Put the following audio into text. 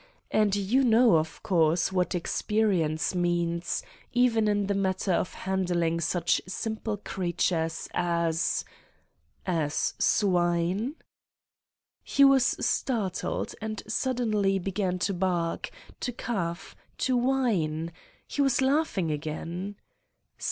And you know, of course, what experience means even in the matter of handling such simple creatures flS " <ib ... "As swine. ..." He was startled and suddenly began to bark, to cough, to whine: he was laughing again.